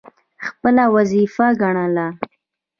خپله وظیفه ګڼله.